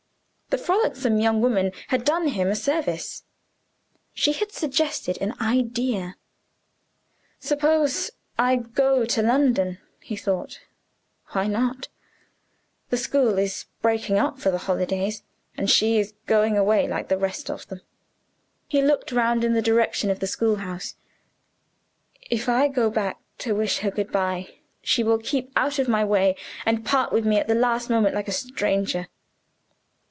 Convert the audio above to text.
The frolicsome young woman had done him a service: she had suggested an idea. "Suppose I go to London?" he thought. "Why not? the school is breaking up for the holidays and she is going away like the rest of them." He looked round in the direction of the schoolhouse. "If I go back to wish her good by, she will keep out of my way, and part with me at the last moment like a stranger.